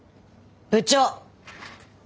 部長。